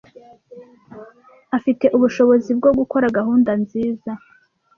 Afite ubushobozi bwo gukora gahunda nziza.